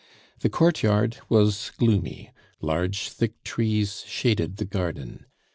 The courtyard was gloomy; large, thick trees shaded the garden.